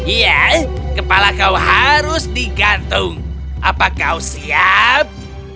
iya kepala kau harus digantung apa kau siap